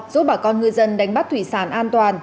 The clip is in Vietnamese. giúp bà con ngư dân đánh bắt thủy sản an toàn